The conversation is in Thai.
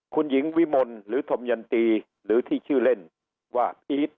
คุณหญิงวิมลหรือธมยันตีหรือที่ชื่อเล่นว่าอีท